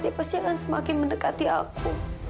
dia pasti akan semakin mendekati aku